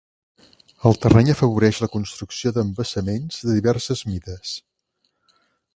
El terreny afavoreix la construcció d'embassaments de diverses mides.